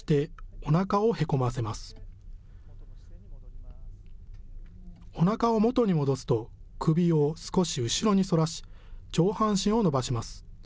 おなかを元に戻すと首を少し後ろに反らし上半身を伸ばします。